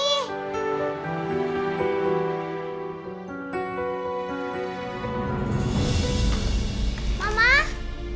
aku udah pulang nih